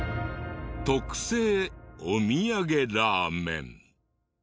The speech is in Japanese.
特製お土産ラーメン。